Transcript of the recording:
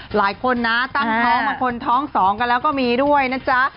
หลายคนนะตั้งท้องมาคนท้องสองกันแล้วก็มีด้วยนะจ๊ะ